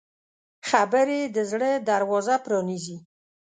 خبرې د زړه دروازه پرانیزي